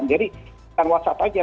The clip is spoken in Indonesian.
jadi kan whatsapp aja